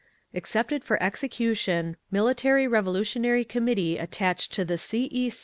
Accepted for execution, _Military Revolutionary Committee attached to the C. E.